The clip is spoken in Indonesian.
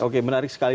oke menarik sekali